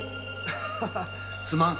すまん。